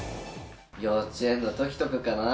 幼稚園のときとかかな。